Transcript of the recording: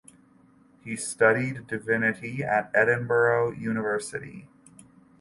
He studied Divinity at Edinburgh University.